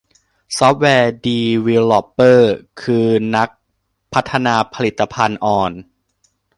ซอฟต์แวร์ดีวีลอปเปอร์ คือ นักพัฒนาผลิตภัณฑ์อ่อน